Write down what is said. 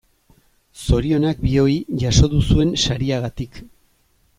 Zorionak bioi jaso duzuen sariagatik.